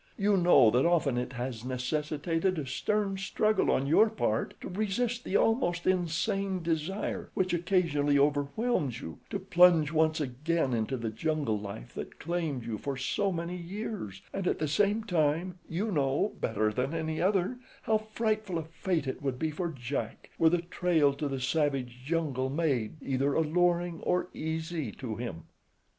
You know that often it has necessitated a stern struggle on your part to resist the almost insane desire which occasionally overwhelms you to plunge once again into the jungle life that claimed you for so many years, and at the same time you know, better than any other, how frightful a fate it would be for Jack, were the trail to the savage jungle made either alluring or easy to him."